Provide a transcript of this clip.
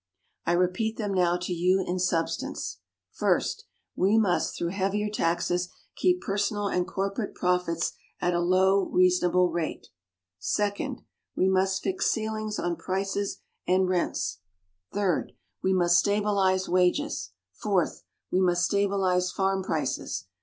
I repeat them now to you in substance: First. we must, through heavier taxes, keep personal and corporate profits at a low reasonable rate. Second. We must fix ceilings on prices and rents. Third. We must stabilize wages. Fourth. We must stabilize farm prices.